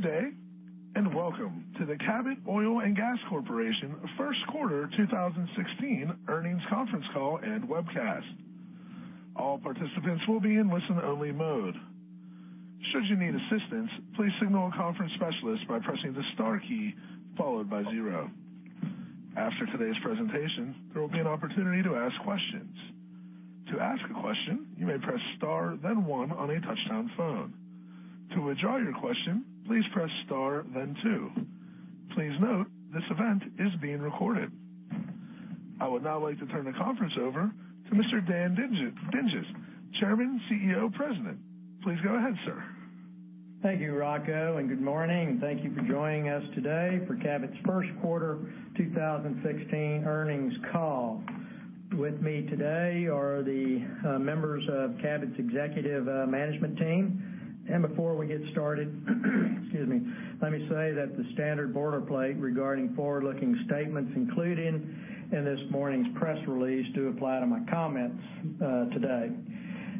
Good day, and welcome to the Cabot Oil & Gas Corporation first quarter 2016 earnings conference call and webcast. All participants will be in listen-only mode. Should you need assistance, please signal a conference specialist by pressing the star key, followed by 0. After today's presentation, there will be an opportunity to ask questions. To ask a question, you may press star then 1 on a touchtone phone. To withdraw your question, please press star then 2. Please note, this event is being recorded. I would now like to turn the conference over to Mr. Dan Dinges, Chairman, President and Chief Executive Officer. Please go ahead, sir. Thank you, Rocco, good morning, and thank you for joining us today for Cabot's first quarter 2016 earnings call. With me today are the members of Cabot's executive management team. Before we get started, excuse me, let me say that the standard boilerplate regarding forward-looking statements included in this morning's press release do apply to my comments today.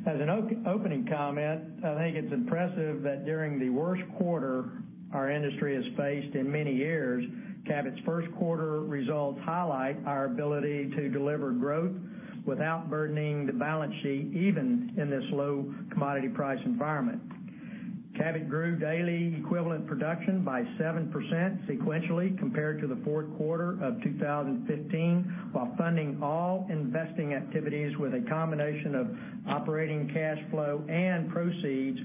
As an opening comment, I think it's impressive that during the worst quarter our industry has faced in many years, Cabot's first quarter results highlight our ability to deliver growth without burdening the balance sheet, even in this low commodity price environment. Cabot grew daily equivalent production by 7% sequentially compared to the fourth quarter of 2015, while funding all investing activities with a combination of operating cash flow and proceeds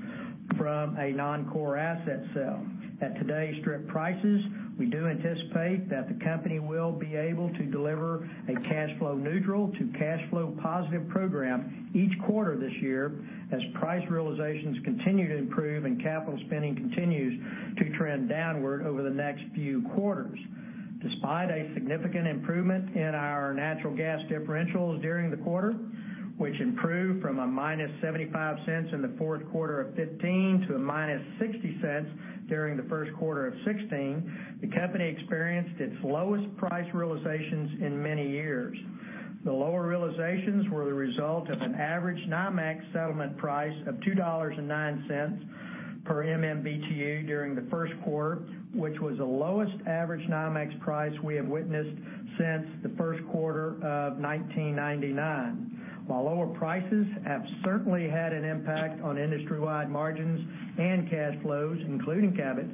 from a non-core asset sale. At today's strip prices, we do anticipate that the company will be able to deliver a cash flow neutral to cash flow positive program each quarter this year as price realizations continue to improve and capital spending continues to trend downward over the next few quarters. Despite a significant improvement in our natural gas differentials during the quarter, which improved from -$0.75 in the fourth quarter of 2015 to -$0.60 during the first quarter of 2016, the company experienced its lowest price realizations in many years. The lower realizations were the result of an average NYMEX settlement price of $2.09 per MMBtu during the first quarter, which was the lowest average NYMEX price we have witnessed since the first quarter of 1999. While lower prices have certainly had an impact on industry-wide margins and cash flows, including Cabot's,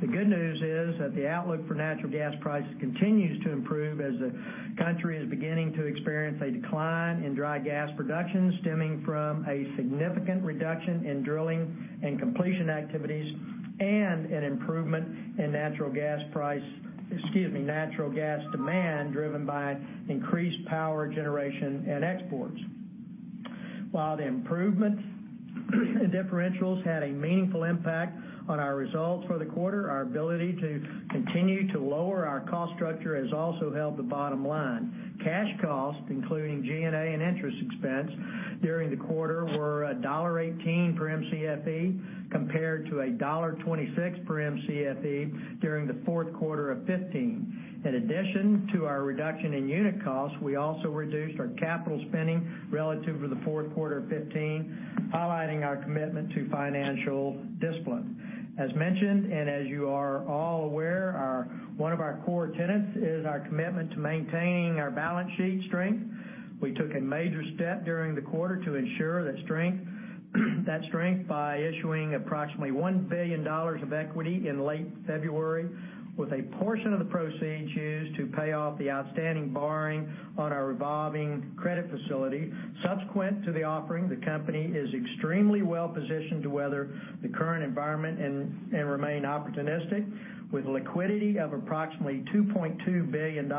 the good news is that the outlook for natural gas prices continues to improve as the country is beginning to experience a decline in dry gas production stemming from a significant reduction in drilling and completion activities and an improvement in natural gas price, excuse me, natural gas demand driven by increased power generation and exports. While the improvements in differentials had a meaningful impact on our results for the quarter, our ability to continue to lower our cost structure has also helped the bottom line. Cash cost, including G&A and interest expense during the quarter were $1.18 per Mcfe compared to $1.26 per Mcfe during the fourth quarter of 2015. In addition to our reduction in unit costs, we also reduced our capital spending relative to the fourth quarter of 2015, highlighting our commitment to financial discipline. As mentioned, and as you are all aware, one of our core tenets is our commitment to maintaining our balance sheet strength. We took a major step during the quarter to ensure that strength by issuing approximately $1 billion of equity in late February, with a portion of the proceeds used to pay off the outstanding borrowing on our revolving credit facility. Subsequent to the offering, the company is extremely well positioned to weather the current environment and remain opportunistic with liquidity of approximately $2.2 billion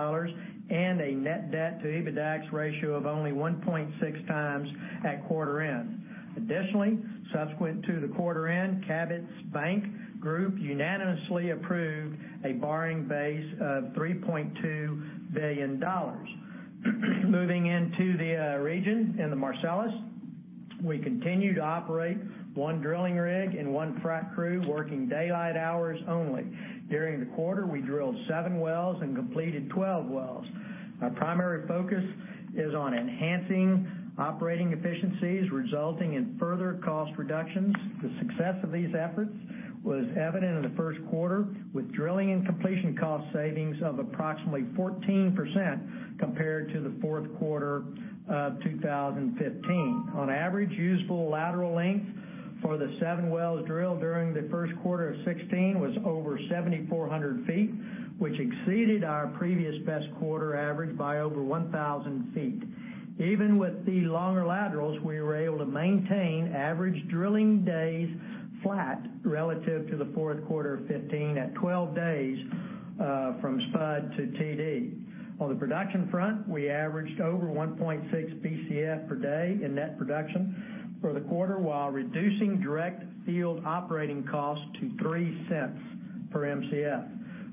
and a net debt to EBITDAX ratio of only 1.6 times at quarter end. Additionally, subsequent to the quarter end, Cabot's bank group unanimously approved a borrowing base of $3.2 billion. Moving into the region in the Marcellus, we continue to operate one drilling rig and one frac crew working daylight hours only. During the quarter, we drilled seven wells and completed 12 wells. Our primary focus is on enhancing operating efficiencies resulting in further cost reductions. The success of these efforts was evident in the first quarter with drilling and completion cost savings of approximately 14% compared to the fourth quarter of 2015. On average, usable lateral length for the seven wells drilled during the first quarter of 2016 was over 7,400 feet, which exceeded our previous best quarter average by over 1,000 feet. Even with the longer laterals, we were able to maintain average drilling days flat relative to the fourth quarter of 2015 at 12 days from spud to TD. On the production front, we averaged over 1.6 Bcf per day in net production for the quarter while reducing direct field operating costs to $0.03 per Mcf.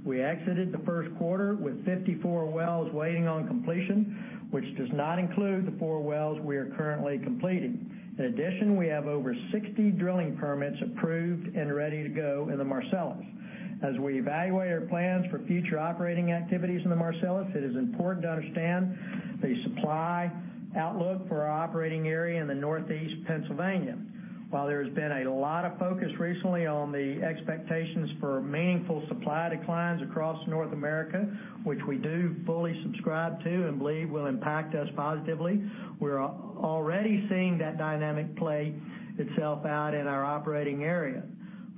We exited the first quarter with 54 wells waiting on completion, which does not include the four wells we are currently completing. In addition, we have over 60 drilling permits approved and ready to go in the Marcellus. As we evaluate our plans for future operating activities in the Marcellus, it is important to understand the supply outlook for our operating area in the Northeast Pennsylvania. While there has been a lot of focus recently on the expectations for meaningful supply declines across North America, which we do fully subscribe to and believe will impact us positively, we're already seeing that dynamic play itself out in our operating area.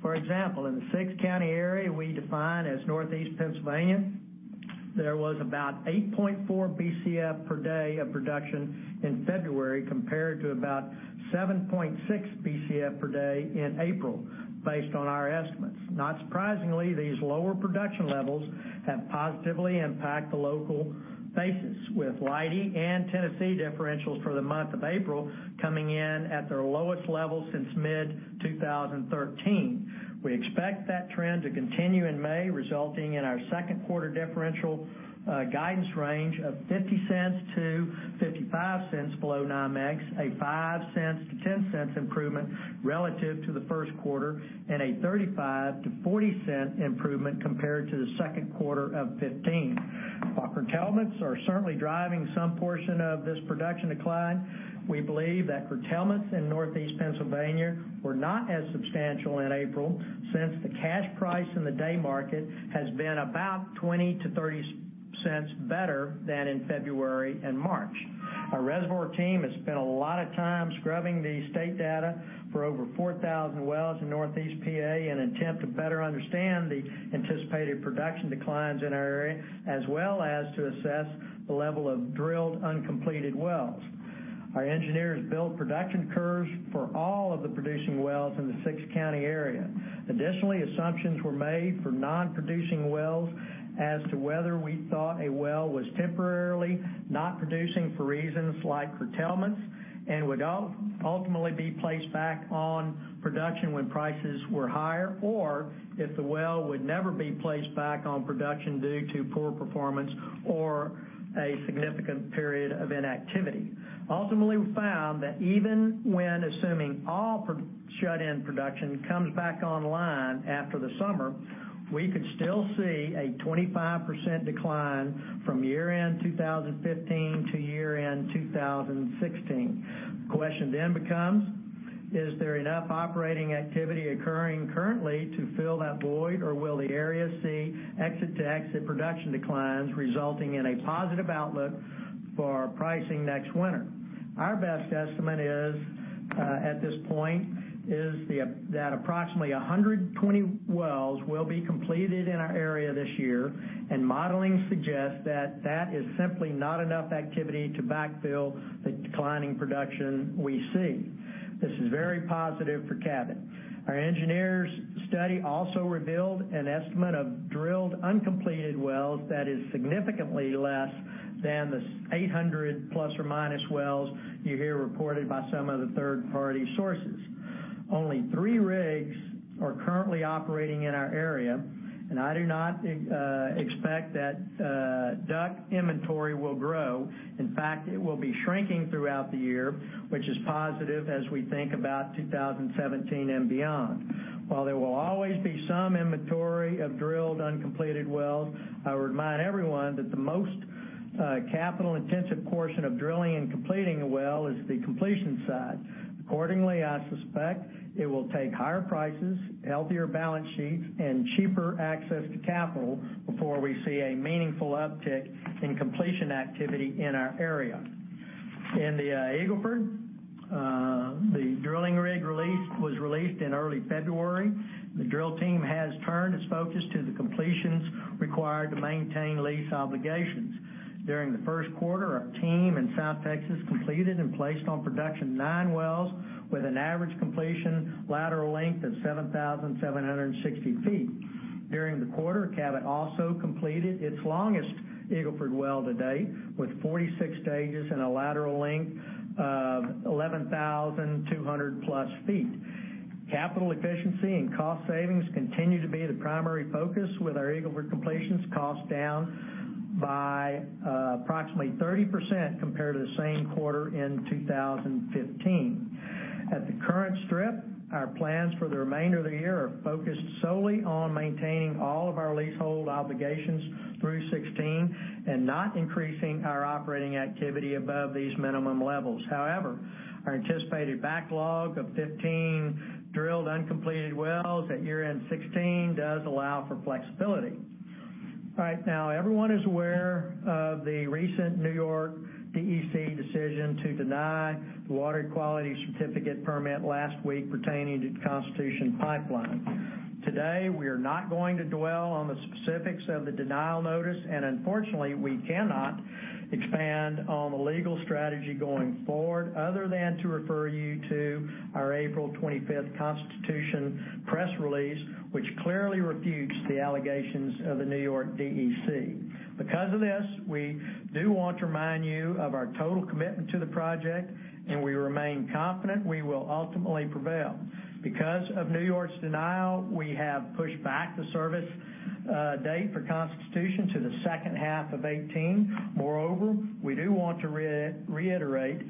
For example, in the six-county area we define as Northeast Pennsylvania, there was about 8.4 Bcf per day of production in February, compared to about 7.6 Bcf per day in April, based on our estimates. Not surprisingly, these lower production levels have positively impacted the local basis, with Leidy and Tennessee differentials for the month of April coming in at their lowest level since mid-2013. We expect that trend to continue in May, resulting in our second quarter differential guidance range of $0.50 to $0.55 below NYMEX, a $0.05 to $0.10 improvement relative to the first quarter, and a $0.35 to $0.40 improvement compared to the second quarter of 2015. While curtailments are certainly driving some portion of this production decline, we believe that curtailments in Northeast Pennsylvania were not as substantial in April, since the cash price in the day market has been about $0.20-$0.30 better than in February and March. Our reservoir team has spent a lot of time scrubbing the state data for over 4,000 wells in Northeast PA in an attempt to better understand the anticipated production declines in our area, as well as to assess the level of drilled uncompleted wells. Our engineers built production curves for all of the producing wells in the six-county area. Additionally, assumptions were made for non-producing wells as to whether we thought a well was temporarily not producing for reasons like curtailments and would ultimately be placed back on production when prices were higher, or if the well would never be placed back on production due to poor performance or a significant period of inactivity. Ultimately, we found that even when assuming all shut-in production comes back online after the summer, we could still see a 25% decline from year-end 2015 to year-end 2016. The question then becomes: Is there enough operating activity occurring currently to fill that void, or will the area see exit-to-exit production declines, resulting in a positive outlook for our pricing next winter? Our best estimate at this point is that approximately 120 wells will be completed in our area this year, and modeling suggests that that is simply not enough activity to backfill the declining production we see. This is very positive for Cabot. Our engineers' study also revealed an estimate of drilled uncompleted wells that is significantly less than the 800 ± wells you hear reported by some of the third-party sources. Only three rigs are currently operating in our area, and I do not expect that DUC inventory will grow. In fact, it will be shrinking throughout the year, which is positive as we think about 2017 and beyond. While there will always be some inventory of drilled uncompleted wells, I would remind everyone that the most capital-intensive portion of drilling and completing a well is the completion side. Accordingly, I suspect it will take higher prices, healthier balance sheets, and cheaper access to capital before we see a meaningful uptick in completion activity in our area. In the Eagle Ford, the drilling rig was released in early February. The drill team has turned its focus to the completions required to maintain lease obligations. During the first quarter, our team in South Texas completed and placed on production nine wells with an average completion lateral length of 7,760 feet. During the quarter, Cabot also completed its longest Eagle Ford well to date, with 46 stages and a lateral length of 11,200+ feet. Capital efficiency and cost savings continue to be the primary focus, with our Eagle Ford completions cost down by approximately 30% compared to the same quarter in 2015. At the current strip, our plans for the remainder of the year are focused solely on maintaining all of our leasehold obligations through 2016 and not increasing our operating activity above these minimum levels. However, our anticipated backlog of 15 drilled uncompleted wells at year-end 2016 does allow for flexibility. All right, now everyone is aware of the recent New York DEC decision to deny the Water Quality Certificate permit last week pertaining to the Constitution Pipeline. Today, we are not going to dwell on the specifics of the denial notice. Unfortunately, we cannot expand on the legal strategy going forward other than to refer you to our April 25th Constitution press release, which clearly refutes the allegations of the New York DEC. Because of this, we do want to remind you of our total commitment to the project, and we remain confident we will ultimately prevail. Because of New York's denial, we have pushed back the service date for Constitution to the second half of 2018. Moreover, we do want to reiterate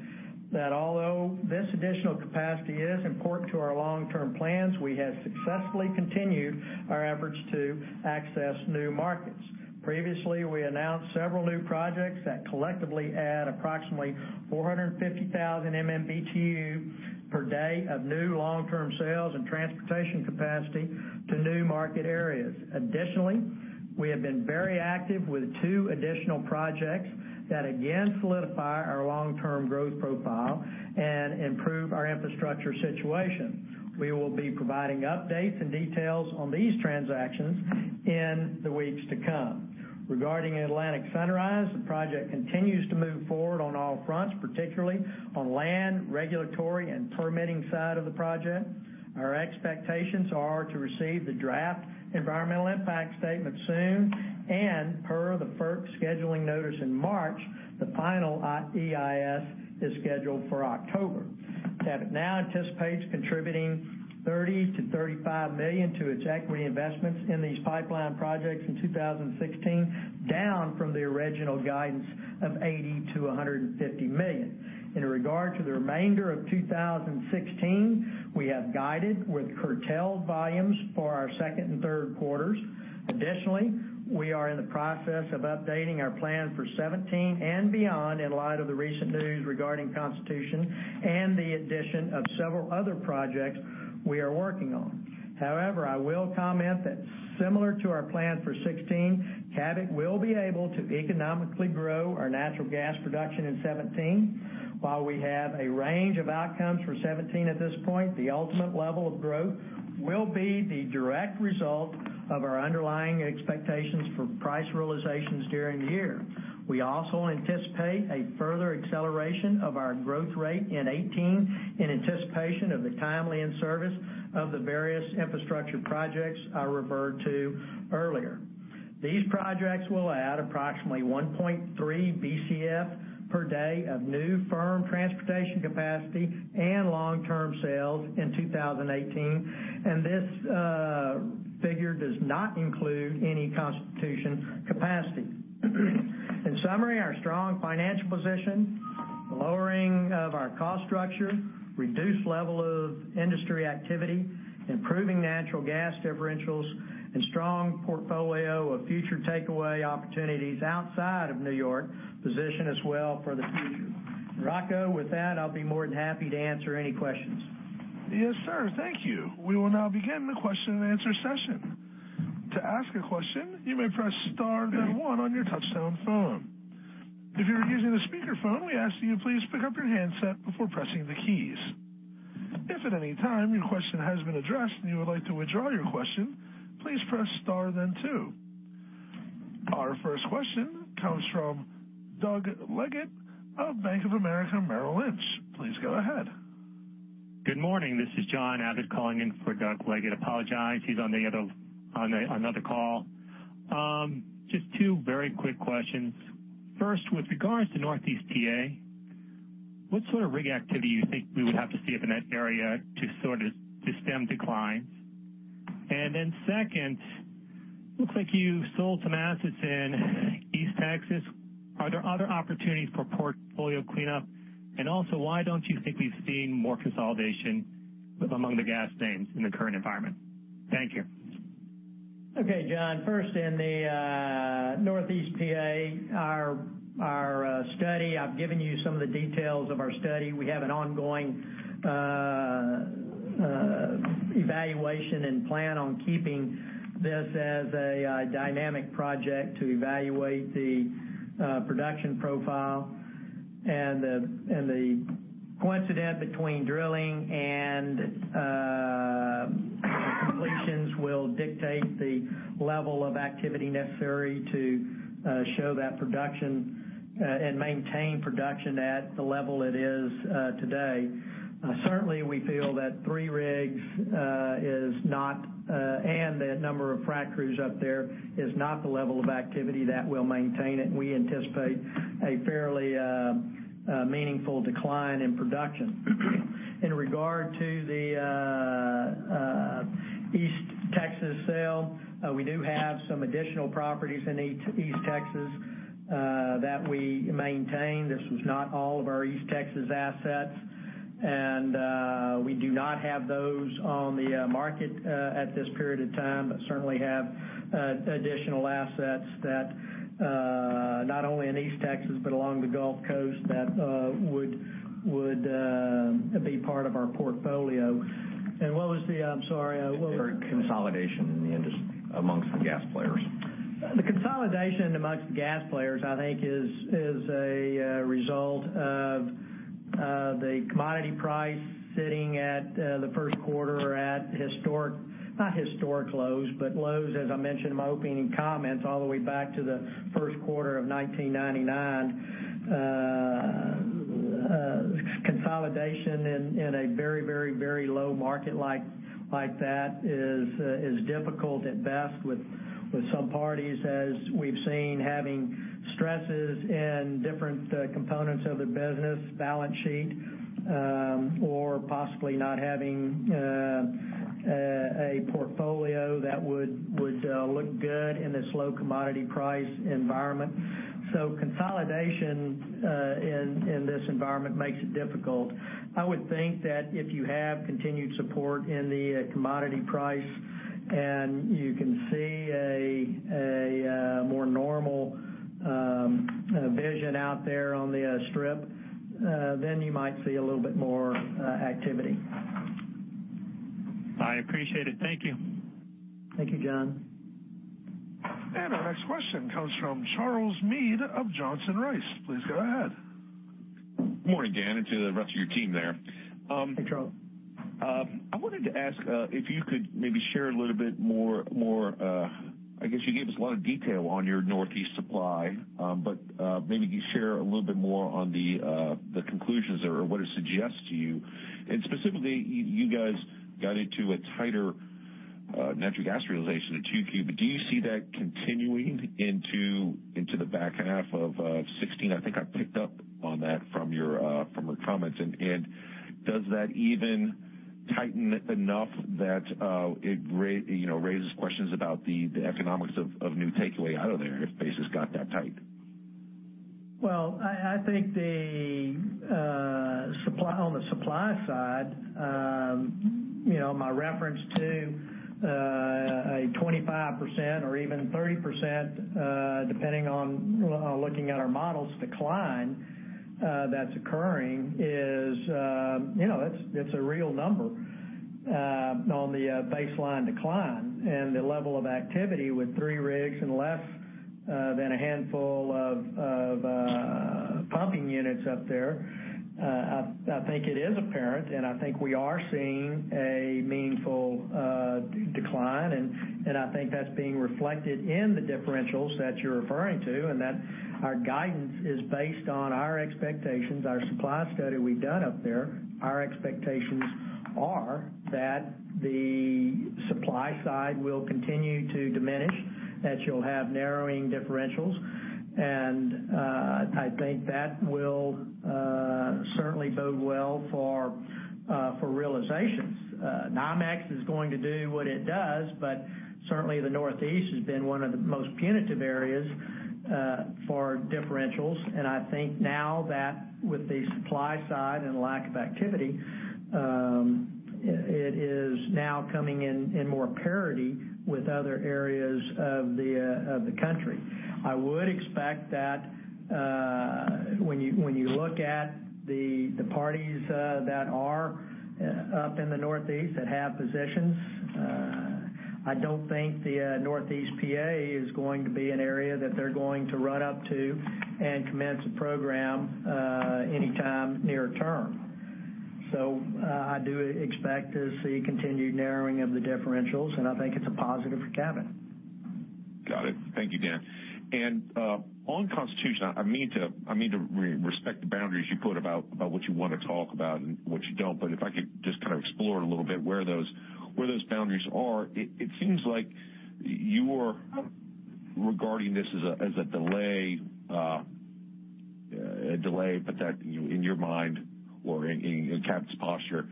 that although this additional capacity is important to our long-term plans, we have successfully continued our efforts to access new markets. Previously, we announced several new projects that collectively add approximately 450,000 MMBtu per day of new long-term sales and transportation capacity to new market areas. Additionally, we have been very active with two additional projects that again solidify our long-term growth profile and improve our infrastructure situation. We will be providing updates and details on these transactions in the weeks to come. Regarding Atlantic Sunrise, the project continues to move forward on all fronts, particularly on land, regulatory, and permitting side of the project. Our expectations are to receive the draft environmental impact statement soon. Per the FERC scheduling notice in March, the final EIS is scheduled for October. Cabot now anticipates contributing $30 million-$35 million to its equity investments in these pipeline projects in 2016, down from the original guidance of $80 million-$150 million. In regard to the remainder of 2016, we have guided with curtailed volumes for our second and third quarters. Additionally, we are in the process of updating our plan for 2017 and beyond in light of the recent news regarding Constitution and the addition of several other projects we are working on. However, I will comment that similar to our plan for 2016, Cabot will be able to economically grow our natural gas production in 2017. While we have a range of outcomes for 2017 at this point, the ultimate level of growth will be the direct result of our underlying expectations for price realizations during the year. We also anticipate a further acceleration of our growth rate in 2018 in anticipation of the timely in-service of the various infrastructure projects I referred to earlier. These projects will add approximately 1.3 Bcf per day of new firm transportation capacity and long-term sales in 2018, and this figure does not include any Constitution capacity. In summary, our strong financial position, lowering of our cost structure, reduced level of industry activity, improving natural gas differentials, and strong portfolio of future takeaway opportunities outside of New York position us well for the future. Rocco, with that, I'll be more than happy to answer any questions. Yes, sir. Thank you. We will now begin the question and answer session. To ask a question, you may press star then one on your touch-tone phone. If you are using a speakerphone, we ask that you please pick up your handset before pressing the keys. If at any time your question has been addressed and you would like to withdraw your question, please press star then two. Our first question comes from Douglas Leggate of Bank of America Merrill Lynch. Please go ahead. Good morning. This is John Abbott calling in for Douglas Leggate. Apologize, he's on another call. Just two very quick questions. First, with regards to Northeast P.A., what sort of rig activity you think we would have to see up in that area to stem declines? Then second, looks like you sold some assets in East Texas. Are there other opportunities for portfolio cleanup? Also, why don't you think we've seen more consolidation among the gas names in the current environment? Thank you. Okay, John. First in the Northeast P.A., our study, I've given you some of the details of our study. We have an ongoing evaluation and plan on keeping this as a dynamic project to evaluate the production profile and the coincident between drilling and completions will dictate the level of activity necessary to show that production and maintain production at the level it is today. Certainly, we feel that three rigs and the number of frac crews up there is not the level of activity that will maintain it, and we anticipate a fairly meaningful decline in production. In regard to the East Texas sale, we do have some additional properties in East Texas that we maintain. This was not all of our East Texas assets. We do not have those on the market at this period of time, but certainly have additional assets that not only in East Texas, but along the Gulf Coast, that would be part of our portfolio. I'm sorry. Consolidation in the industry amongst the gas players. The consolidation amongst the gas players, I think is a result of the commodity price sitting at the first quarter at historic, not historic lows, but lows, as I mentioned in my opening comments, all the way back to the first quarter of 1999. Consolidation in a very low market like that is difficult at best with some parties, as we've seen, having stresses in different components of the business, balance sheet or possibly not having Would look good in this low commodity price environment. Consolidation in this environment makes it difficult. I would think that if you have continued support in the commodity price and you can see a more normal vision out there on the strip, you might see a little bit more activity. I appreciate it. Thank you. Thank you, John. Our next question comes from Charles Meade of Johnson Rice. Please go ahead. Morning, Dan, and to the rest of your team there. Hey, Charles. I wanted to ask if you could maybe share a little bit more. I guess you gave us a lot of detail on your Northeast supply, but maybe you share a little bit more on the conclusions or what it suggests to you. Specifically, you guys got into a tighter natural gas realization in 2Q. Do you see that continuing into the back half of 2016? I think I picked up on that from your comments. Does that even tighten it enough that it raises questions about the economics of new takeaway out of there if it's just got that tight? I think on the supply side, my reference to a 25% or even 30%, depending on looking at our models decline that's occurring, it's a real number on the baseline decline. The level of activity with three rigs and less than a handful of pumping units up there, I think it is apparent, and I think we are seeing a meaningful decline, and I think that's being reflected in the differentials that you're referring to, and that our guidance is based on our expectations, our supply study we've done up there. Our expectations are that the supply side will continue to diminish, that you'll have narrowing differentials, and I think that will certainly bode well for realizations. NYMEX is going to do what it does, but certainly the Northeast has been one of the most punitive areas for differentials, and I think now that with the supply side and lack of activity, it is now coming in more parity with other areas of the country. I would expect that when you look at the parties that are up in the Northeast that have positions, I don't think the Northeast PA is going to be an area that they're going to run up to and commence a program anytime near term. I do expect to see continued narrowing of the differentials, and I think it's a positive for Cabot. Got it. Thank you, Dan. On Constitution, I mean to respect the boundaries you put about what you want to talk about and what you don't, but if I could just kind of explore it a little bit where those boundaries are. It seems like you are regarding this as a delay, but that in your mind or in Cabot's posture,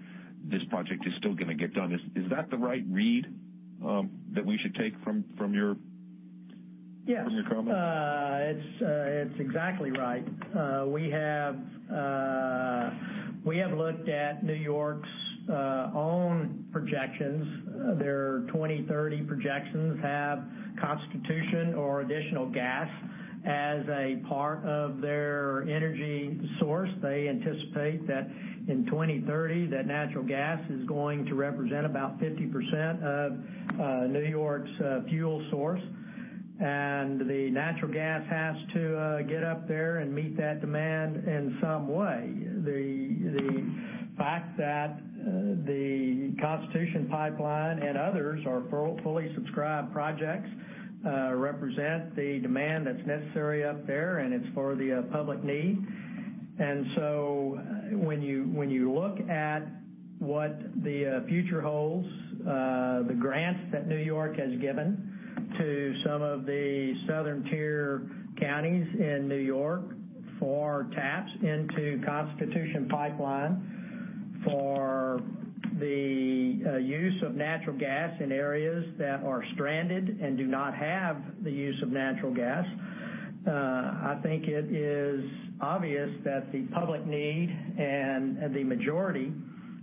this project is still going to get done. Is that the right read that we should take from your comments? Yes. It's exactly right. We have looked at New York's own projections. Their 2030 projections have Constitution or additional natural gas as a part of their energy source. They anticipate that in 2030, that natural gas is going to represent about 50% of New York's fuel source, and the natural gas has to get up there and meet that demand in some way. The fact that the Constitution Pipeline and others are fully subscribed projects represent the demand that's necessary up there, and it's for the public need. When you look at what the future holds, the grants that New York has given to some of the southern tier counties in New York for taps into Constitution Pipeline for the use of natural gas in areas that are stranded and do not have the use of natural gas, I think it is obvious that the public need and the majority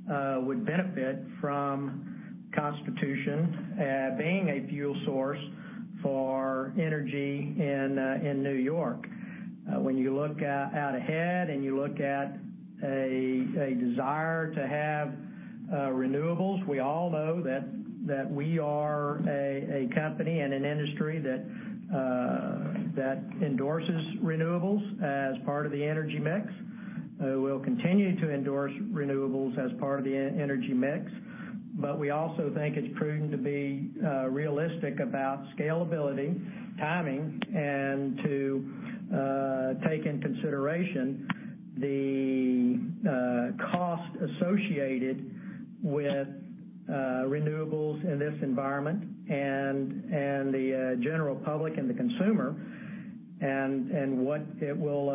would benefit from Constitution being a fuel source for energy in New York. When you look out ahead and you look at a desire to have renewables, we all know that we are a company and an industry that endorses renewables as part of the energy mix. We'll continue to endorse renewables as part of the energy mix. We also think it's prudent to be realistic about scalability, timing, and to take into consideration the cost associated with renewables in this environment and the general public and the consumer. What it will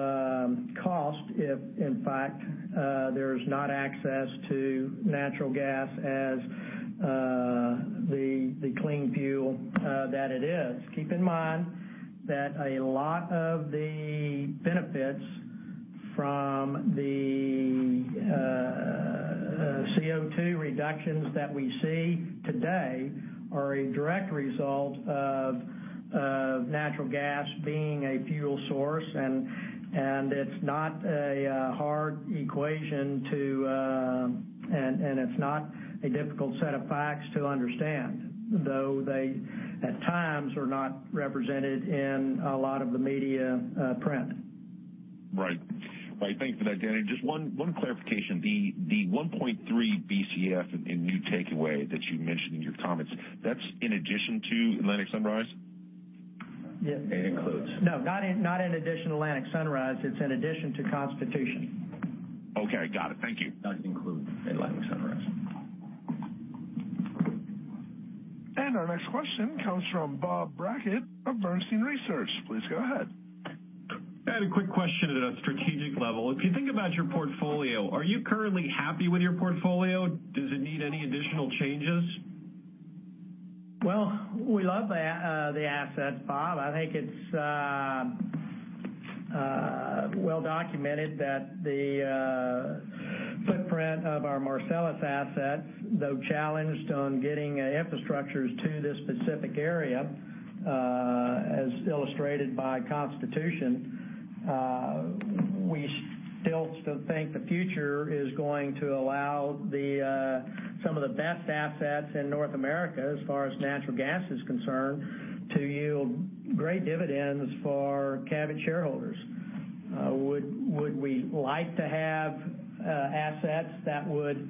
cost if in fact there's not access to natural gas as the clean fuel that it is. Keep in mind that a lot of the benefits from the CO2 reductions that we see today are a direct result of natural gas being a fuel source, it's not a difficult set of facts to understand, though they at times are not represented in a lot of the media print. Right. Thanks for that, Danny. Just one clarification, the 1.3 Bcf in new takeaway that you mentioned in your comments, that's in addition to Atlantic Sunrise? Yes. It includes. No, not in addition to Atlantic Sunrise, it's in addition to Constitution. Okay. Got it. Thank you. That includes Atlantic Sunrise. Our next question comes from Bob Brackett of Bernstein Research. Please go ahead. I had a quick question at a strategic level. If you think about your portfolio, are you currently happy with your portfolio? Does it need any additional changes? We love the assets, Bob. I think it's well documented that the footprint of our Marcellus assets, though challenged on getting infrastructures to this specific area, as illustrated by Constitution, we still think the future is going to allow some of the best assets in North America as far as natural gas is concerned to yield great dividends for Cabot shareholders. Would we like to have assets that would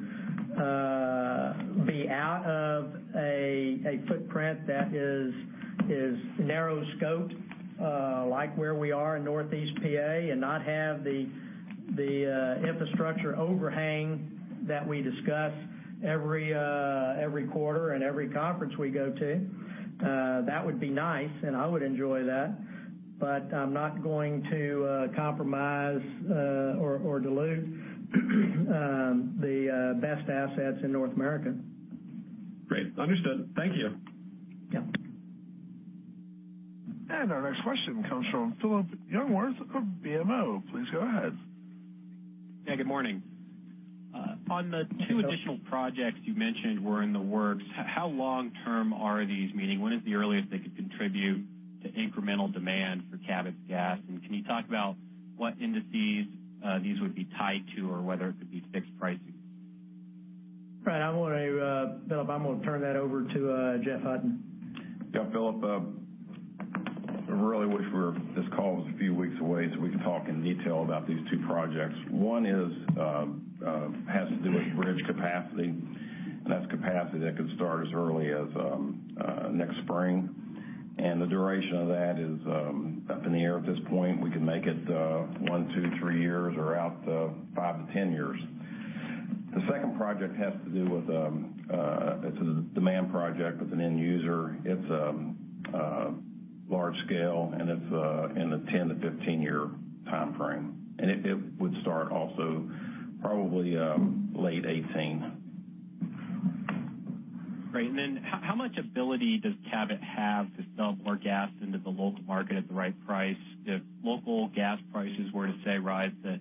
be out of a footprint that is narrow scoped, like where we are in Northeast PA and not have the infrastructure overhang that we discuss every quarter and every conference we go to? That would be nice, and I would enjoy that, but I'm not going to compromise, or dilute the best assets in North America. Great. Understood. Thank you. Yeah. Our next question comes from Phillip Jungwirth of BMO. Please go ahead. Good morning. On the two additional projects you mentioned were in the works, how long-term are these? Meaning, when is the earliest they could contribute to incremental demand for Cabot's gas? Can you talk about what indices these would be tied to or whether it could be fixed pricing? Right. Phillip, I'm going to turn that over to Jeffrey Hutton. Phillip, I really wish this call was a few weeks away so we could talk in detail about these two projects. One has to do with bridge capacity, that's capacity that could start as early as next spring. The duration of that is up in the air at this point. We can make it one, two, three years or out five to 10 years. The second project has to do with a demand project with an end user. It's large scale, it's in the 10 to 15-year timeframe, it would start also probably late 2018. Great. How much ability does Cabot have to sell more gas into the local market at the right price? If local gas prices were to, say, rise to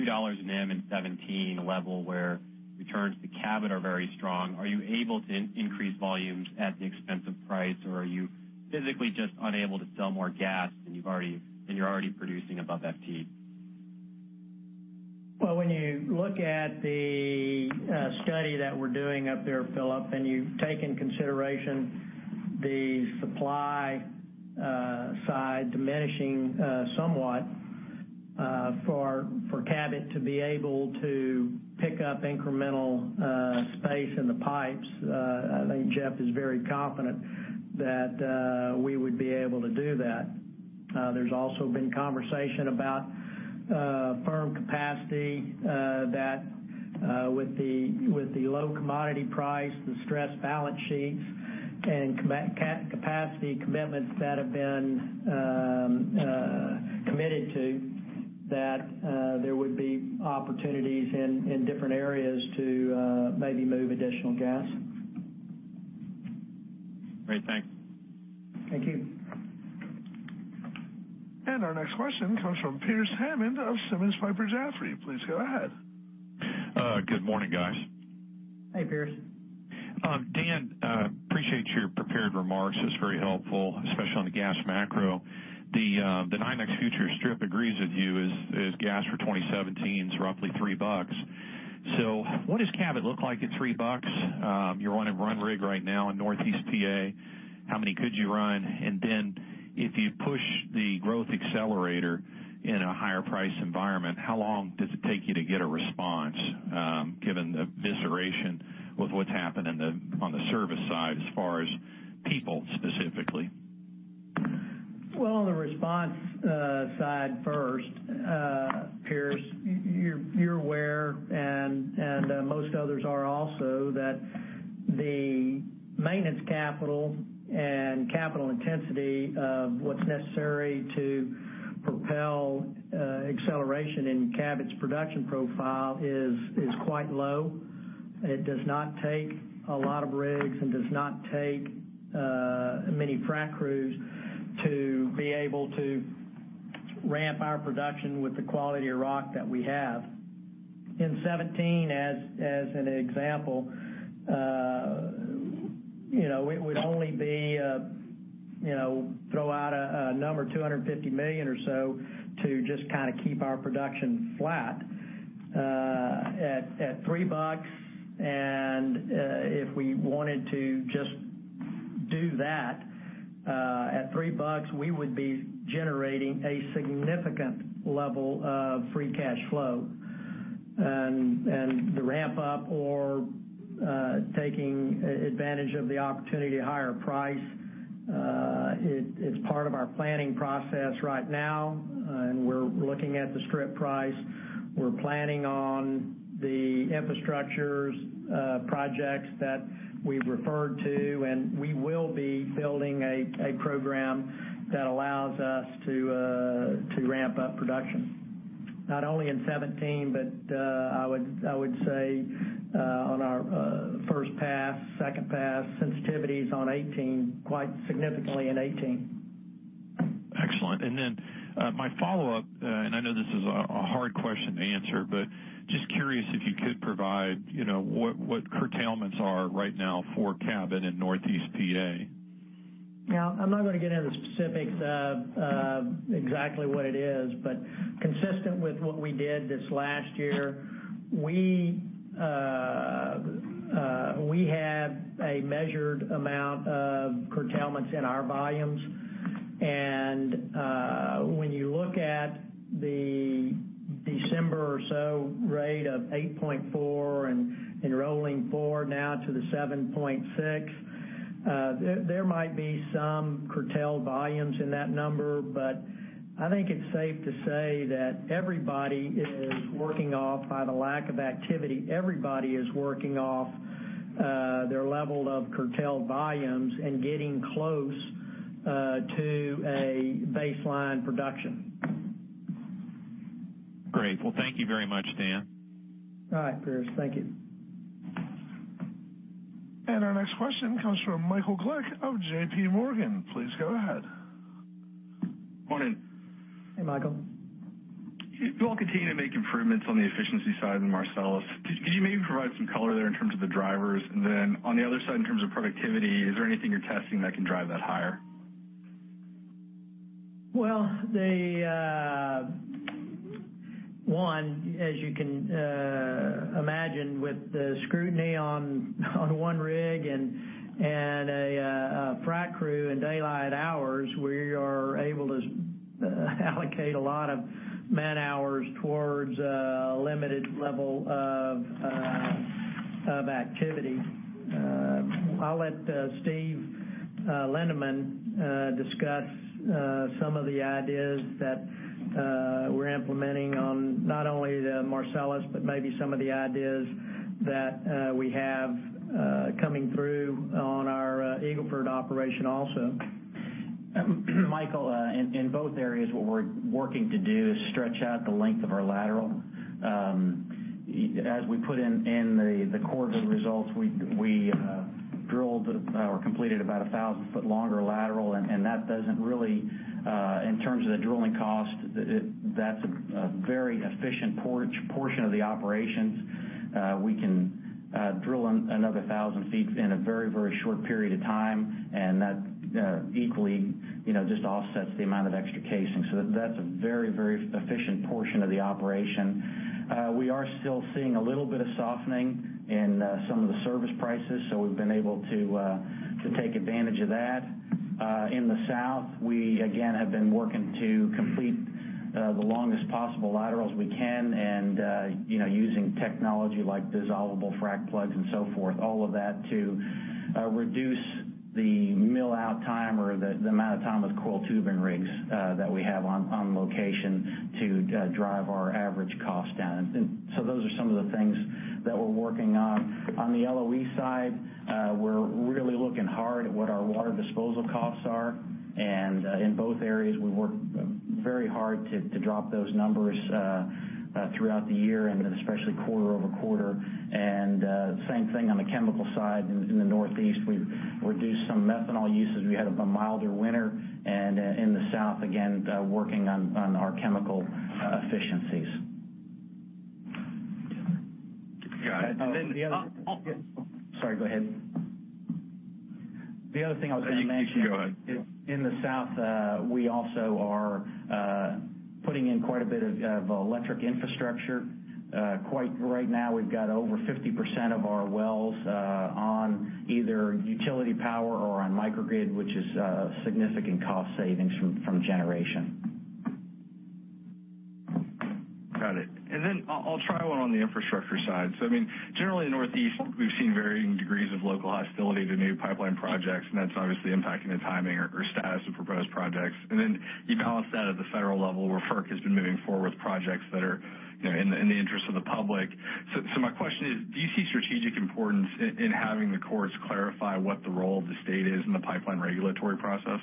$2 an MM in 2017, a level where returns to Cabot are very strong, are you able to increase volumes at the expense of price, or are you physically just unable to sell more gas than you're already producing above that peak? Well, when you look at the study that we're doing up there, Phillip, you take into consideration the supply side diminishing somewhat, for Cabot to be able to pick up incremental space in the pipes, I think Jeff is very confident that we would be able to do that. There's also been conversation about firm capacity, that with the low commodity price, the stressed balance sheets, and capacity commitments that have been committed to, that there would be opportunities in different areas to maybe move additional gas. Great. Thanks. Thank you. Our next question comes from Pearce Hammond of Simmons & Company. Please go ahead. Good morning, guys. Hey, Pearce. Dan, appreciate your prepared remarks. It's very helpful, especially on the gas macro. The NYMEX futures strip agrees with you as gas for 2017 is roughly $3. What does Cabot look like at $3? You're on one rig right now in Northeast PA. How many could you run? Then if you push the growth accelerator in a higher price environment, how long does it take you to get a response, given the evisceration with what's happened on the service side as far as people specifically? Well, on the response side first Pearce, you're aware, and most others are also, that the maintenance capital and capital intensity of what's necessary to propel acceleration in Cabot's production profile is quite low. It does not take a lot of rigs and does not take many frac crews to be able to ramp our production with the quality of rock that we have. In 2017, as an example, we'd only be, throw out a number, $250 million or so to just keep our production flat. At $3, and if we wanted to just do that, at $3, we would be generating a significant level of free cash flow. The ramp up or taking advantage of the opportunity at a higher price, it's part of our planning process right now, and we're looking at the strip price. We're planning on the infrastructure projects that we've referred to. We will be building a program that allows us to ramp up production, not only in 2017, but I would say on our first pass, second pass sensitivities on 2018, quite significantly in 2018. Excellent. My follow-up, I know this is a hard question to answer, but just curious if you could provide what curtailments are right now for Cabot in Northeast PA. I'm not going to get into the specifics of exactly what it is, consistent with what we did this last year, we had a measured amount of curtailments in our volumes. When you look at the December or so rate of 8.4 and rolling forward now to the 7.6, there might be some curtailed volumes in that number. I think it's safe to say that everybody is working off by the lack of activity. Everybody is working off their level of curtailed volumes and getting close to a baseline production. Great. Thank you very much, Dan. All right, Pearce. Thank you. Our next question comes from Michael Glick of J.P. Morgan. Please go ahead. Morning. Hey, Michael. You all continue to make improvements on the efficiency side in Marcellus. Could you maybe provide some color there in terms of the drivers? Then on the other side, in terms of productivity, is there anything you're testing that can drive that higher? Well, one, as you can imagine with the scrutiny on one rig and a frac crew in daylight hours, we are able to allocate a lot of man-hours towards a limited level of activity. I'll let Steven Lindeman discuss some of the ideas that we're implementing on not only the Marcellus, but maybe some of the ideas that we have coming through on our Eagle Ford operation also. Michael, in both areas, what we're working to do is stretch out the length of our lateral. As we put in the quarter results, we drilled or completed about a 1,000 foot longer lateral, and that doesn't really, in terms of the drilling cost, that's a very efficient portion of the operations. We can drill another 1,000 feet in a very short period of time, and that equally just offsets the amount of extra casing. That's a very efficient portion of the operation. We are still seeing a little bit of softening in some of the service prices, so we've been able to take advantage of that. In the South, we again have been working to complete the longest possible laterals we can and using technology like dissolvable frac plugs and so forth, all of that to reduce the mill out time or the amount of time with coil tubing rigs that we have on location to drive our average cost down. Those are some of the things that we're working on. On the LOE side, we're really looking hard at what our water disposal costs are. In both areas, we work very hard to drop those numbers throughout the year and especially quarter-over-quarter. Same thing on the chemical side. In the Northeast, we've reduced some methanol usage. We had a milder winter. In the South, again, working on our chemical efficiencies. Got it. Sorry, go ahead. The other thing I was going to mention- You can go ahead In the South, we also are putting in quite a bit of electric infrastructure. Right now, we've got over 50% of our wells on either utility power or on microgrid, which is a significant cost savings from power generation. Got it. I'll try one on the infrastructure side. Generally Northeast, we've seen varying degrees of local hostility to new pipeline projects, and that's obviously impacting the timing or status of proposed projects. You balance that at the federal level where FERC has been moving forward with projects that are in the interest of the public. My question is, do you see strategic importance in having the courts clarify what the role of the state is in the pipeline regulatory process?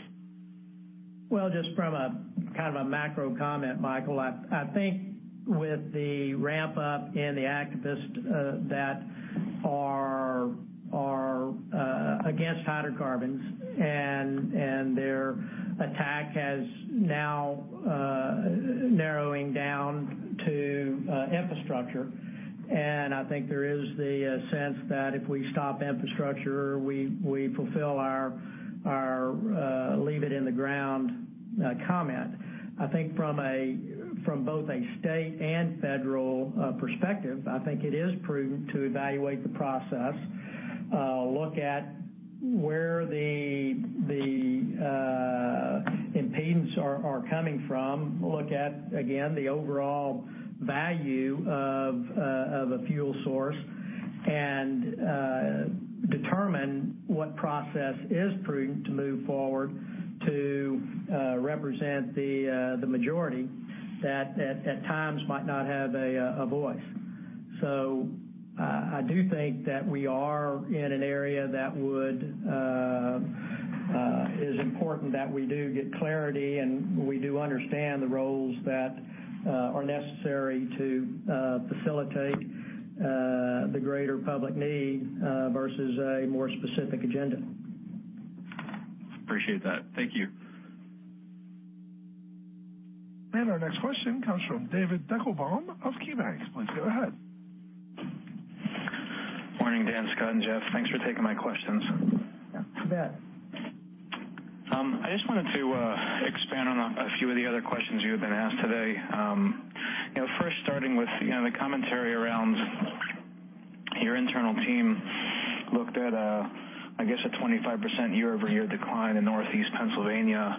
Well, just from a macro comment, Michael, I think with the ramp up in the activists that are against hydrocarbons, and their attack has now narrowing down to infrastructure. I think there is the sense that if we stop infrastructure, we fulfill our leave it in the ground comment. I think from both a state and federal perspective, I think it is prudent to evaluate the process, look at where the impediments are coming from. Look at, again, the overall value of a fuel source and determine what process is prudent to move forward to represent the majority that, at times, might not have a voice. I do think that we are in an area that is important that we do get clarity, and we do understand the roles that are necessary to facilitate the greater public need versus a more specific agenda. Appreciate that. Thank you. Our next question comes from David Deckelbaum of KeyBanc. Please go ahead. Good morning, Dan, Scott, and Jeff. Thanks for taking my questions. You bet. I just wanted to expand on a few of the other questions you have been asked today. Starting with the commentary around your internal team looked at, I guess, a 25% year-over-year decline in Northeast Pennsylvania.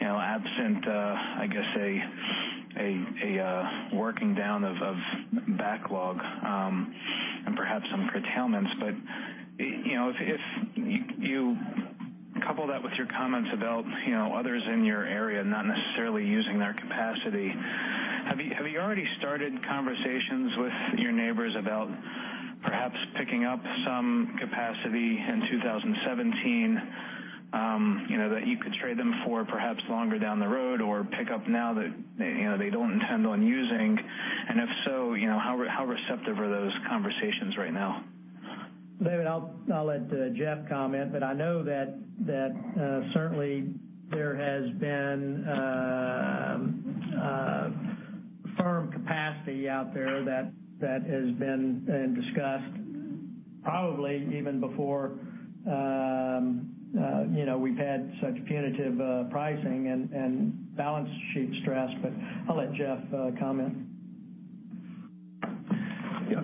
Absent, I guess, a working down of backlog and perhaps some curtailments. If you couple that with your comments about others in your area not necessarily using their capacity, have you already started conversations with your neighbors about perhaps picking up some capacity in 2017 that you could trade them for perhaps longer down the road? Pick up now that they don't intend on using? If so, how receptive are those conversations right now? David, I'll let Jeff comment, I know that certainly there has been firm capacity out there that has been discussed probably even before we've had such punitive pricing and balance sheet stress. I'll let Jeff comment.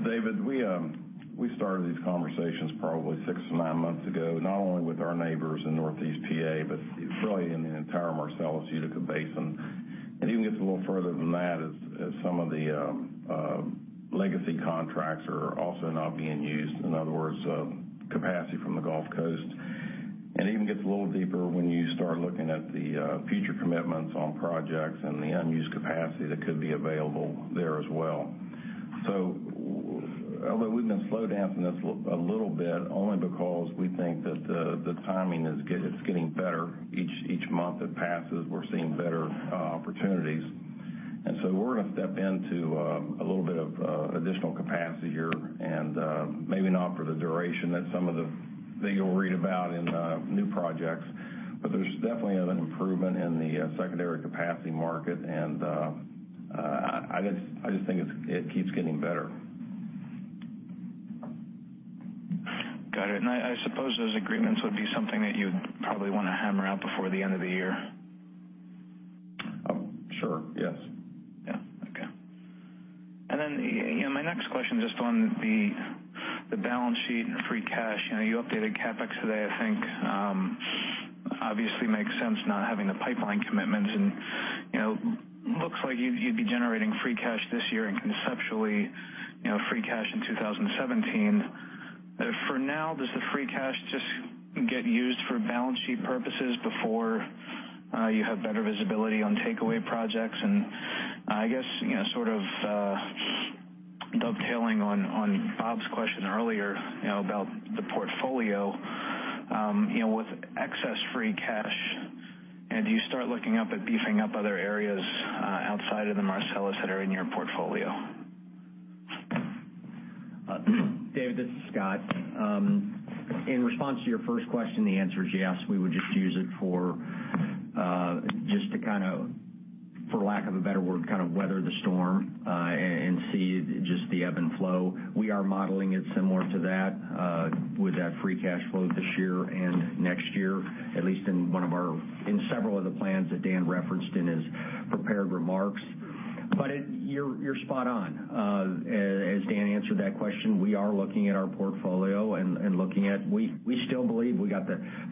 David, we started these conversations probably six to nine months ago, not only with our neighbors in Northeast PA, but really in the entire Marcellus Utica Basin. It even gets a little further than that as some of the legacy contracts are also not being used. In other words, capacity from the Gulf Coast. It even gets a little deeper when you start looking at the future commitments on projects and the unused capacity that could be available there as well. Although we've been slow dancing this a little bit, only because we think that the timing is getting better. Each month that passes, we're seeing better opportunities. We're going to step into a little bit of additional capacity here, and maybe not for the duration that some of the things you'll read about in new projects. There's definitely an improvement in the secondary capacity market, and I just think it keeps getting better. Got it. I suppose those agreements would be something that you'd probably want to hammer out before the end of the year? Sure, yes. Yeah. Okay. My next question, just on the balance sheet and free cash. You updated CapEx today, I think. Obviously makes sense not having the pipeline commitments, and looks like you'd be generating free cash this year and conceptually, free cash in 2017. For now, does the free cash just get used for balance sheet purposes before you have better visibility on takeaway projects? I guess, dovetailing on Bob's question earlier, about the portfolio. With excess free cash, do you start looking up at beefing up other areas outside of the Marcellus that are in your portfolio? David, this is Scott. In response to your first question, the answer is yes. We would just use it for lack of a better word, weather the storm, and see just the ebb and flow. We are modeling it similar to that with that free cash flow this year and next year, at least in several of the plans that Dan referenced in his prepared remarks. You're spot on. As Dan answered that question, we are looking at our portfolio. We still believe,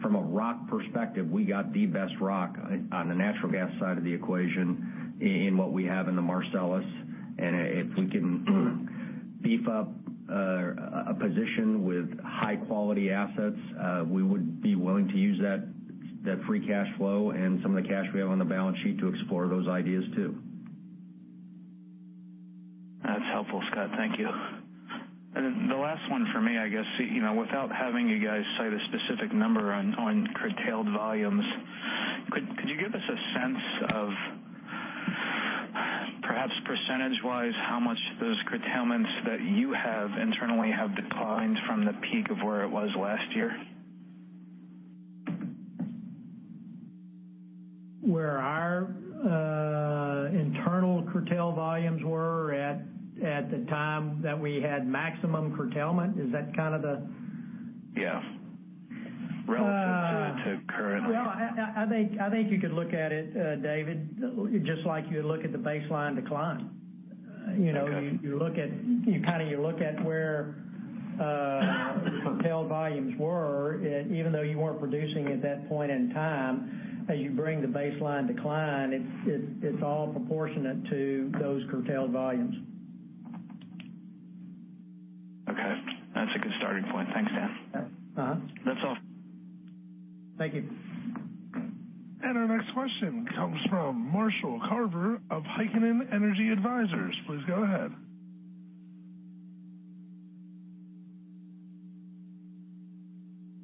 from a rock perspective, we got the best rock on the natural gas side of the equation in what we have in the Marcellus. If we can beef up a position with high quality assets, we would be willing to use that free cash flow and some of the cash we have on the balance sheet to explore those ideas too. That's helpful, Scott. Thank you. The last one for me, I guess, without having you guys cite a specific number on curtailed volumes, could you give us a sense of, perhaps percentage-wise, how much those curtailments that you have internally have declined from the peak of where it was last year? Where our internal curtail volumes were at the time that we had maximum curtailment? Is that kind of the? Yes. Relative to current. Well, I think you could look at it, David, just like you look at the baseline decline. Okay. You look at where curtail volumes were, even though you weren't producing at that point in time, as you bring the baseline decline, it's all proportionate to those curtailed volumes. Okay. That's a good starting point. Thanks, Dan. Yeah. That's all. Thank you. Our next question comes from Marshall Carver of Heikkinen Energy Advisors. Please go ahead.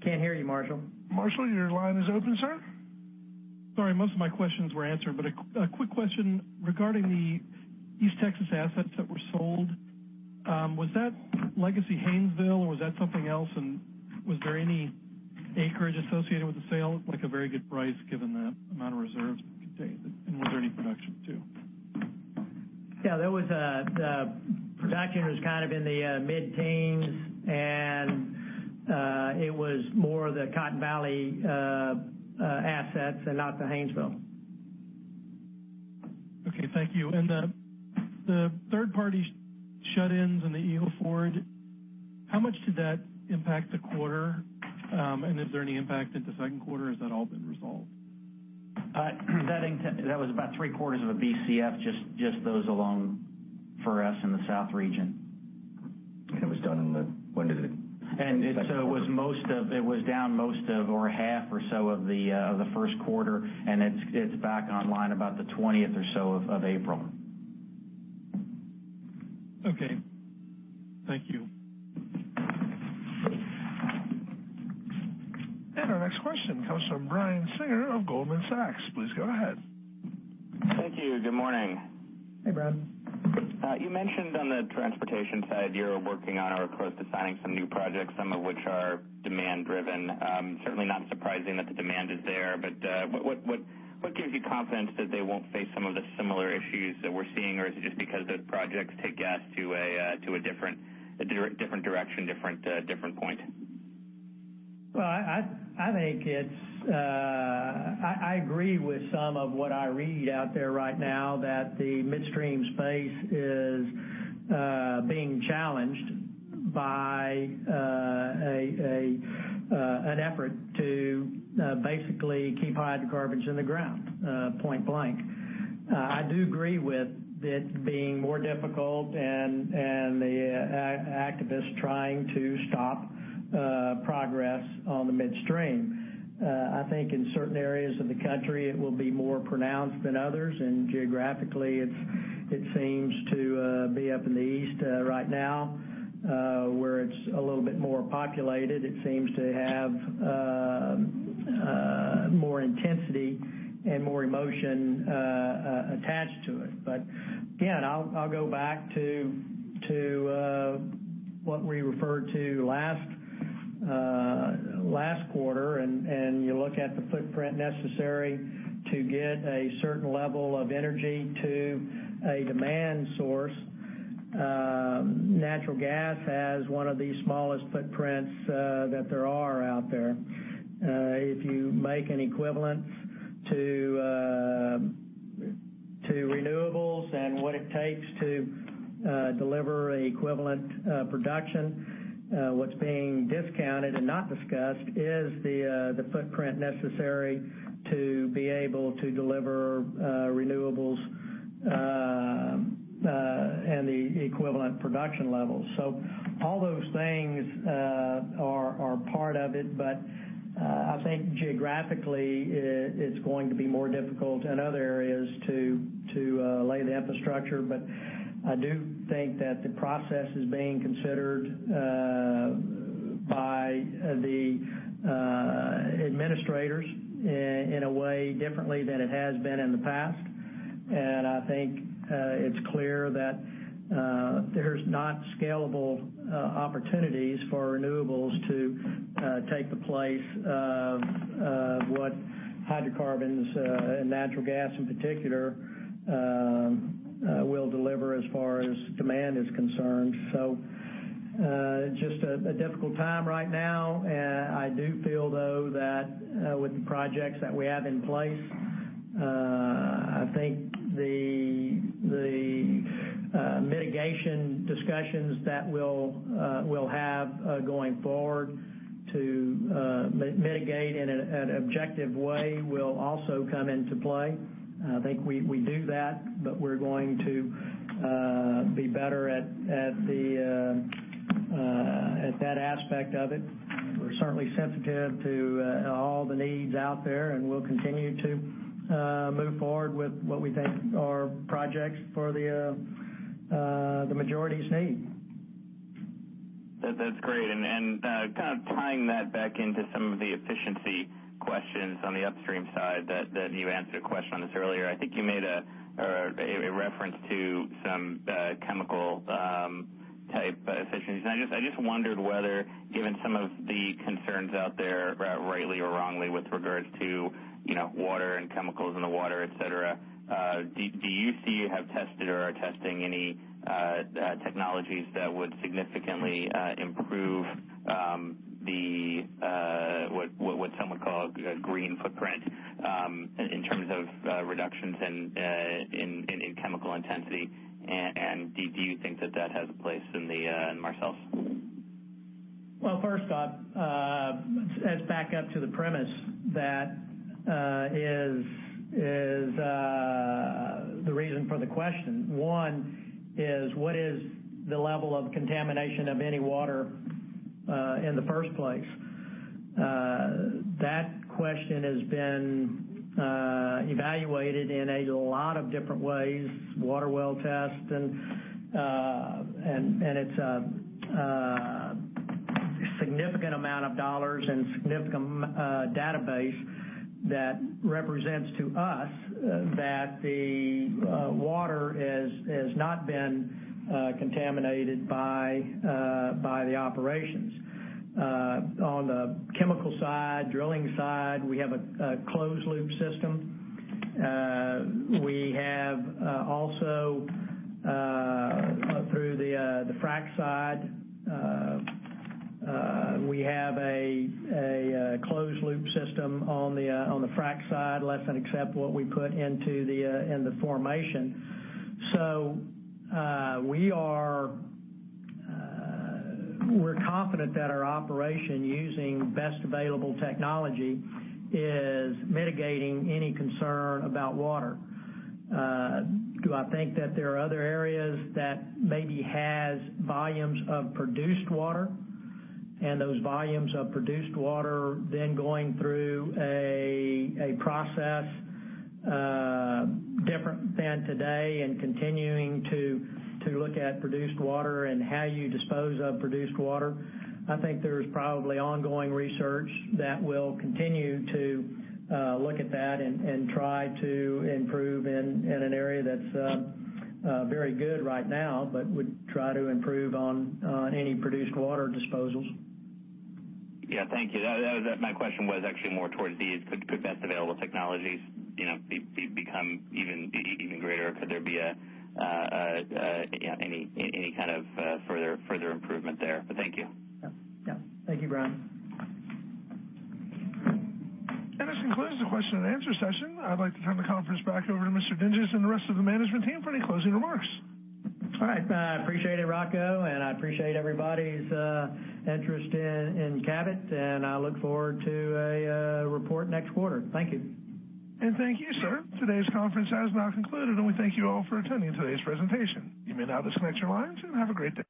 Can't hear you, Marshall. Marshall, your line is open, sir. Sorry, most of my questions were answered, but a quick question regarding the East Texas assets that were sold. Was that legacy Haynesville, or was that something else, and was there any acreage associated with the sale? Like a very good price given the amount of reserves it contains, and was there any production, too? Yeah, the production was kind of in the mid-teens, and it was more the Cotton Valley assets and not the Haynesville. Okay, thank you. The third-party shut-ins in the Eagle Ford, how much did that impact the quarter, and is there any impact in the second quarter, or has that all been resolved? That was about three-quarters of a Bcf, just those alone for us in the South region. It was done in the - when did it It was down most of, or half or so of the first quarter, and it's back online about the 20th or so of April. Okay. Thank you. Our next question comes from Brian Singer of Goldman Sachs. Please go ahead. Thank you. Good morning. Hey, Brian. You mentioned on the transportation side you're working on or close to signing some new projects, some of which are demand-driven. Certainly not surprising that the demand is there, but what gives you confidence that they won't face some of the similar issues that we're seeing? Is it just because the projects take gas to a different direction, different point? Well, I agree with some of what I read out there right now that the midstream space is being challenged by an effort to basically keep hydrocarbons in the ground, point blank. I do agree with it being more difficult and the activists trying to stop progress on the midstream. I think in certain areas of the country, it will be more pronounced than others, and geographically, it seems to be up in the East right now where it's a little bit more populated. It seems to have more intensity and more emotion attached to it. Again, I'll go back to what we referred to last quarter, and you look at the footprint necessary to get a certain level of energy to a demand source. Natural gas has one of the smallest footprints that there are out there. If you make an equivalent to renewables and what it takes to deliver equivalent production, what's being discounted and not discussed is the footprint necessary to be able to deliver renewables and the equivalent production levels. All those things are part of it. I think geographically, it's going to be more difficult in other areas to lay the infrastructure. I do think that the process is being considered by the administrators in a way differently than it has been in the past. I think it's clear that there's not scalable opportunities for renewables to take the place of what hydrocarbons and natural gas in particular will deliver as far as demand is concerned. Just a difficult time right now. I do feel, though, that with the projects that we have in place, I think the mitigation discussions that will have going forward to mitigate in an objective way will also come into play. I think we do that, we're going to be better at that aspect of it. We're certainly sensitive to all the needs out there, we'll continue to move forward with what we think are projects for the majority's need. That's great. Kind of tying that back into some of the efficiency questions on the upstream side that you answered a question on this earlier. I think you made a reference to some chemical type efficiencies. I just wondered whether, given some of the concerns out there, rightly or wrongly, with regards to water and chemicals in the water, et cetera, do you see, have tested or are testing any technologies that would significantly improve what some would call green footprint in terms of reductions in chemical intensity? Do you think that that has a place in the Marcellus? first off, as back up to the premise that is the reason for the question. One is, what is the level of contamination of any water in the first place? That question has been evaluated in a lot of different ways, water well tests, it is a significant amount of dollars and significant database that represents to us that the water has not been contaminated by the operations. On the chemical side, drilling side, we have a closed-loop system. We have also through the frack side, we have a closed-loop system on the frack side less than except what we put in the formation. We are confident that our operation using best available technology is mitigating any concern about water. Do I think that there are other areas that maybe has volumes of produced water and those volumes of produced water then going through a process different than today and continuing to look at produced water and how you dispose of produced water? I think there is probably ongoing research that will continue to look at that and try to improve in an area that is very good right now, would try to improve on any produced water disposals. Yeah. Thank you. My question was actually more towards the could best available technologies become even greater or could there be any kind of further improvement there. Thank you. Yeah. Thank you, Brian. This concludes the question and answer session. I'd like to turn the conference back over to Mr. Dinges and the rest of the management team for any closing remarks. All right. I appreciate it, Rocco, and I appreciate everybody's interest in Cabot, and I look forward to a report next quarter. Thank you. Thank you, sir. Today's conference has now concluded, and we thank you all for attending today's presentation. You may now disconnect your lines, and have a great day.